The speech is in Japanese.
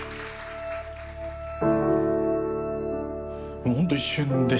もうほんと一瞬でしたね。